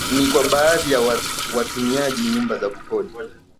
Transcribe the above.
ni kwa baadhi ya wanatumia nyumba za kukodi